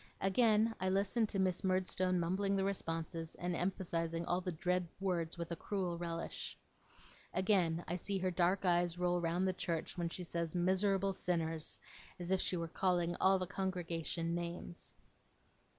Again, I listen to Miss Murdstone mumbling the responses, and emphasizing all the dread words with a cruel relish. Again, I see her dark eyes roll round the church when she says 'miserable sinners', as if she were calling all the congregation names.